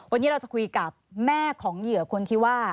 วันนี้เราจะคุยกับแม่ของเหยื่อคนที่ว่า